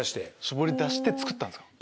絞り出して作ったんですか。